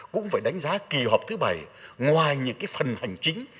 cũng phải đánh giá kỳ họp thứ bảy ngoài những phần hành chính